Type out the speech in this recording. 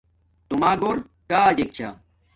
توما گھور کاجک چھا